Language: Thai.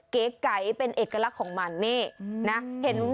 เก๋เป็นเอกลักษณ์ของมันเนี่ย